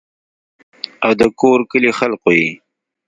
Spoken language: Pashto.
او دَکور کلي خلقو ئې